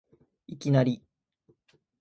いきなり